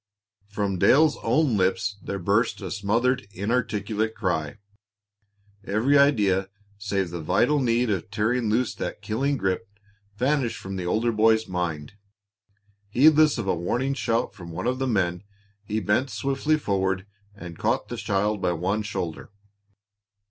From Dale's own lips there burst a smothered, inarticulate cry. Every idea, save the vital need of tearing loose that killing grip, vanished from the older boy's mind. Heedless of a warning shout from one of the men, he bent swiftly forward and caught the child by one shoulder.